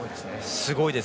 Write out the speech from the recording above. すごいです。